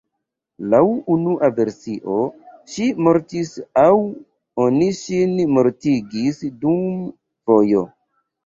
Laŭ unua versio ŝi mortis aŭ oni ŝin mortigis dum vojo.